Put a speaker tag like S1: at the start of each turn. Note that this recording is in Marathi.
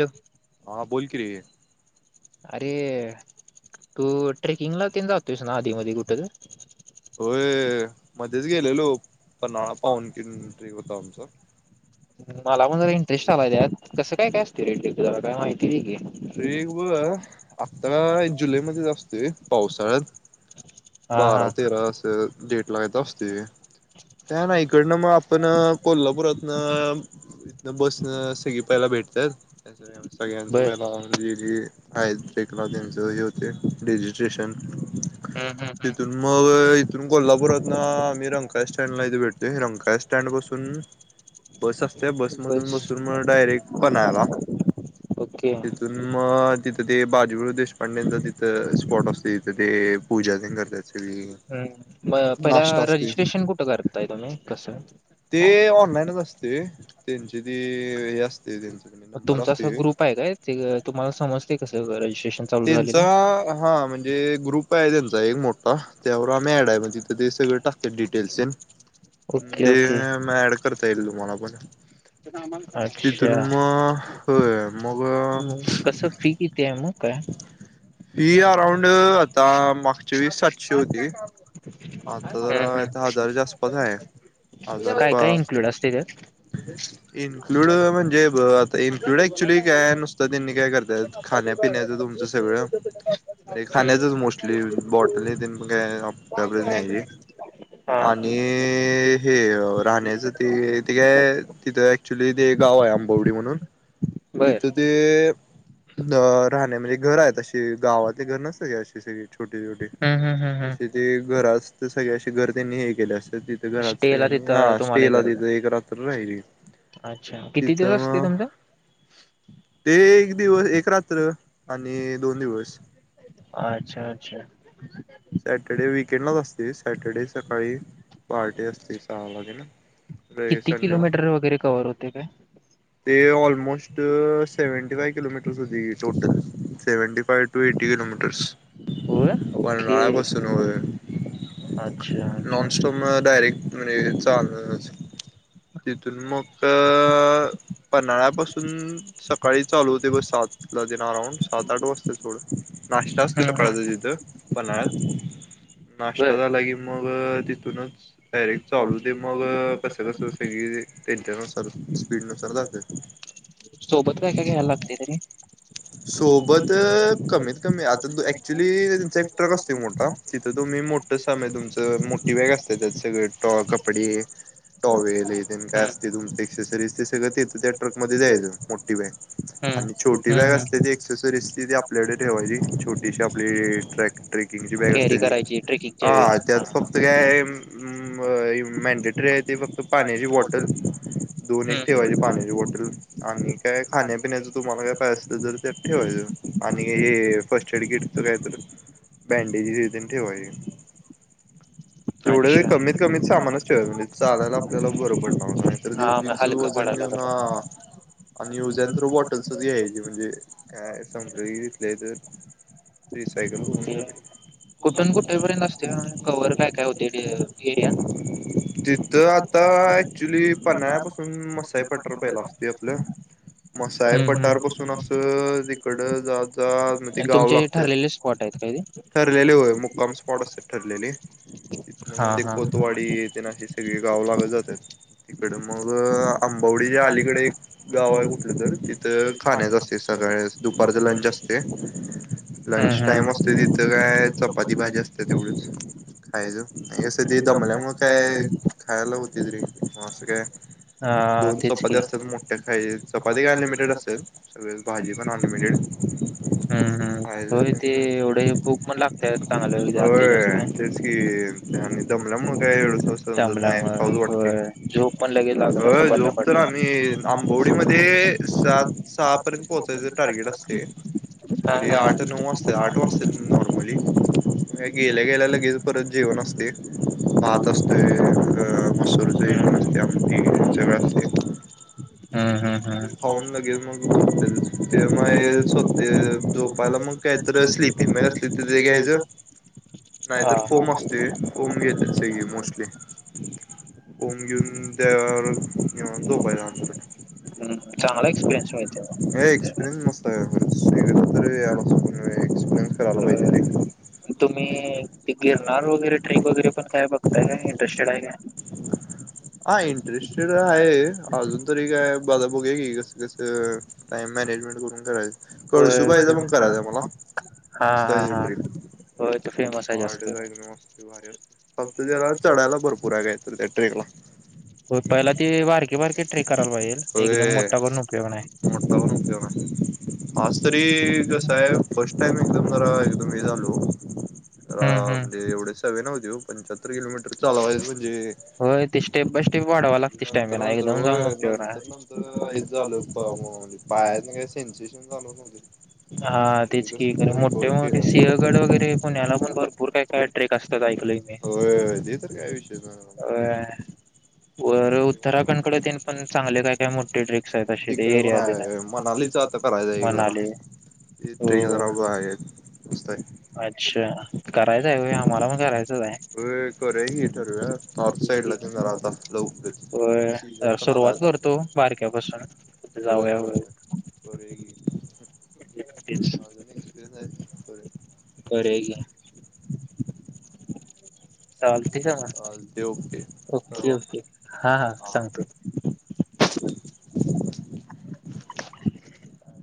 S1: हॅलो, हा बोल की, अरे तू- ट्रेकिंग ला ते जातोयस ना आधी मधी कुठे तर?
S2: होय, मध्येच गेलेलो पन्हाळा पाहुन किनट्री होता आमच.
S1: मला पण जरा इंटरेस्ट आलाय त्यात कसं काय काय असत रेट काय माहिती दे‌ की
S2: रे ब आत्ता जुलै मध्ये असतोय पावसाळ्यात बारा तेरा अस डेट लाय असते. त्या नाहीईकडनं मग आपण कोल्हापुरात इथन बसन सगळी पयला भेटतात त्या सगळ्यांचं वेला दिली आ ब्रेकला त्यांचं ह होते रजिट्रेशन हो तिथून मग इथून कोल्हापूरात ना आम्ही रंकाळा स्टँडला इथे भेटतो रंकाळा स्टँड बसून बस असते बसमधून बसून मग डायरेक्ट पन्हाळ्याला तिथून मग तिथं ते भाजी दे पंडच तिथं स्पॉट असतो तिथे ते पूजा ते करते
S1: ह् पहि रजिस्ट्रेशन कुठ करताय तुम्ही कस?
S2: ऑनलाईनच असते त्यांची ते हे असते.
S1: तुमचा असा ग्रुप आहे काय ते तुम्हाला समजते कसं करायच? ्टेशन चालू झा [inaudible]
S2: ते मग ऍड करता येईल तुम्हाला पण
S1: अच्छा! कसं फी किती आहे मग? अ हम ह, काय काय इन्क्लुड असतंय त्यात?
S2: इन्क्लूड म्हणजे ब इन्क्लुड ऍक्च्युली काय नुसतं त्यांनी काय करत्यात, खाण्यापिण्याचं तुमचं सगळं म्हणजे खाण्याचच मोस्टली बॉटली तेन काय आप डबे घ्यायचे. आणि हे राहण्याच ते ते. ते तिथ एक्चुली गाव आहे आंबवडी म्हनू तिथं ते अ. अ राहणे म्हणजे घर आहेत अशी गावातले घर नसतय का अशी सगळी छोटे छोटे तसे ते घर असत सगळ्या अशी घर त्यांनी हे केले असते. घरात हा स्टे ला एक रात्र पहिली तिथं म ते एक दिवस, एक रात्र आणि दोन दिवस
S1: अच्छा, अच्छा!
S2: पार्टी असते सांगलीला
S1: किती किलोमीटर वगैरे कवर होतय काय?
S2: ते ऑलमोस्ट सेव्हंटी फाइव किलोमीटर होतय total seventy five to eighty किलोमीटरस [unintelligible]
S1: अच्छा तू मला डायरेक्ट तिकडं [unintelligible]
S2: तिथून मग क पन्हाळ्यापासून सकाळी चालू होतय बस सात ला तेन अराऊंड सात आठ वाजतय थोडं नाश्ता असतो सकाळच तिथं पन्हाळ्यात नाश्ता झाला की मग अ तिथूनच डायरेक्ट चालू व्हतय मग कसं कसं सगळ की, ते तेच्यानुसार स्पीडनुसार जातय मग
S1: सोबत काय काय घ्यायला लागतय तरी,
S2: सोबत अ कमीत कमी, आता ऍक्च्युली त्यांचा एक ट्रक असतोय मोठा तिथं तुम्ही मोठ ट साम हाय तुमचं मोठी बॅग असत्या त्यात सगळे टॉ कपडे टॉवेल हे तेन काय असतय तुमच एक्सेसरीज ते, सगळं तेथं त्या ट्रक मध्ये द्यायचं मोठी बॅग आणि छोट छोटी बॅग असते ती एक्सेसरीज ती ती आपल्याकडे ठेवायची, छोटीशी आपली ट्रॅक ट्रेकिंगची बॅग असते.
S1: करायची ट्रेकिंग
S2: हा त्यात फक्त काय अ म मॅनडेटरी आहे ती फक्त पाण्याची बॉटल दोन एक ठेवायची पाण्याची बॉटल आणि काय खाण्यापिण्याचं तुम्हाला काय? अस तर त्यात ठेवायचं आणि हे फर्स्ट एड किटच काय तर? बँंडेजीस हे तेन ठेवायच.
S1: [inaudible]
S2: तेवढं कमीत कमीत सामानच ठेवायच म्हणजे चालायला, आपल्याला बरं पडणार नाहीतर ते उगीच वजन
S1: हा आ.
S2: आणि यूज अँड थ्रो बॉटलसच घ्यायची म्हणजे काय समजा इथल्या इथ रिसायकल करून टाकायचं
S1: कुठून कुठे पर्यंत असतय कवर काय काय होतय एरिया?
S2: तिथं आता ऍक्च्युली पन्हाळ्यापासून मसाई पठार पहिला असतय आपलं. मसाय पटारपासून तिथून असं तिकड जात जात, म ते गाव लागत्यात ठरलेले होय. मुक्काम स्पॉट असत्यात ठरलेले.
S1: [inaudible]
S2: मध्ये खोतवाडी तेन अशी सगळी गाव लागत, जात्यात तिकड मग आंबवडी अलीकडे एक गाव आहे कुठलं तर तिथं खाण्याचं असतय सगळ दुपारचं लंच असतय, लंच टाईम असतय तिथं काय? चपाती भाजी असते तेवढीच खायच नाही अस दमल्यामूळ मग, काय खायला होतयच रे म असं काय? दोन चपाती असत्यात, मोठ्या साइज चपाती काय अनलिमिटेड असत्यात सगळेच भाजी पण अनलिमिटेड खायच आणि तेन मग होय तेच की, आणि दमल्यामुळे काय ए समजत नाही पाऊस वाटते झोप तर आम्ही आंबोवडीमध्ये सहापर्यंत पोहोचायचं टार्गेट असते तरी आठ नऊ वाजते आठ वाजते नॉर्मली ह गेल्या गेल्या लगेच परत जेवण असते भात असते मसूरच इथसते आमंठी
S1: [inaudible]
S2: खाऊन लगेल मग ते मग सपते झोपायला मग काहीतर स्लिपी म असिगा आहेच [unintelligible]
S1: [inaudible]
S2: नाही तरर फोम असते फोम घेतात सगली मोस्टली फॉम घेऊन त्यावर तो बाहिला आ
S1: चांगला एक्सपरयन्स मि
S2: एक्सपिरियन्स मस्त आहेरी एक्सपिरियन्स करायला पाहिजे
S1: तुम्ही गिरणार वगैरे ट्र्रीप वगैरे पण काय बघताय का इंटरेस्टेड आहे काय
S2: हा इंटरेस्टेड आहे अजून तरी काय बगु बगुव्या की कस कसं टाइम आहे मॅजमेंट करून कराय कळसू बाई पण करायचं मला
S1: हा हा हा होय फेमस आहे भावा
S2: भ अस फत त्याला चढायला भरपूर आहेगाय तर त्या ट्रेक ला
S1: [inaudible] हो पहिला ते वारके बारके ट्रे करायला पाहिजेल एकदम मोठा करून उपयोग नाही
S2: आज तरी साहेब फर्स्ट टाइम एकदम जरा एकदम हे झालो म्हणजे एवढे सवे नव्हते हो पंच्याहत्तर किलोमीटर चालावायच म्हणजे णजे नंतर नंतर नंतर नंतर हे झालंज पाया सेन्सेशन चालव
S1: हा तेच कि कर मोठे मोठे सिंहगड वगैरे पुण्याला पण ब पूर काय काय ट्रेक असतात ऐकलंय मी अ वर उत्तराखंड कडे दे पण चांगले काय काय मोठे ट्रेक एरिया दि मली मनाली हो अच्छा करायचं आहे आम्हाला पण करायचं होय सुरुवात करतो बारक्यापसून जाऊया व
S2: होर अजून एक्सपिरियन्स आहेत बरे
S1: चाल तेच ना ओके ओके हा हा सांगतो [unintelligible]